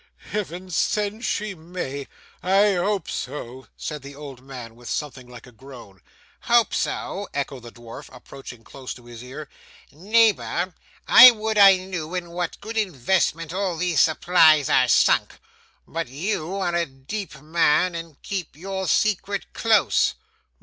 'Heaven send she may! I hope so,' said the old man with something like a groan. 'Hope so!' echoed the dwarf, approaching close to his ear; 'neighbour, I would I knew in what good investment all these supplies are sunk. But you are a deep man, and keep your secret close.